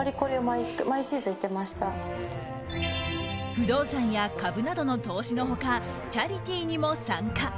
不動産や株などの投資の他チャリティーにも参加。